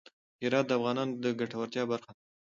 هرات د افغانانو د ګټورتیا برخه ده.